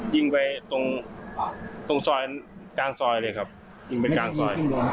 ยิงไปตรงตรงซอยกลางซอยเลยครับยิงไปกลางซอย